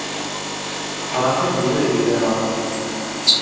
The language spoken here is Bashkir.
Ҡарашын үҙе өйҙән алмай.